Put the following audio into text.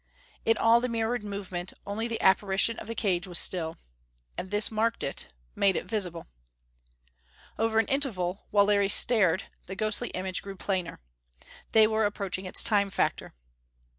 In all the mirrored movement, only the apparition of the cage was still. And this marked it; made it visible. Over an interval, while Larry stared, the ghostly image grew plainer. They were approaching its Time factor!